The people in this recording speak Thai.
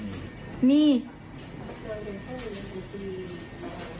ดูคลิปนี้พร้อมกันค่ะ